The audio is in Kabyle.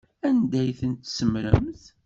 Anda ay ten-tsemmṛemt?